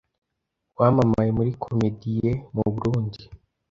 wamamaye muri 'comédie' mu Burundi